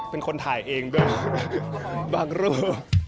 เป็นคนถ่ายเองด้วยบางรูป